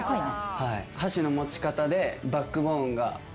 はい箸の持ち方でバックボーンが分かる。